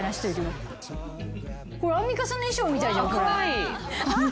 これアンミカさんの衣装みたいじゃん。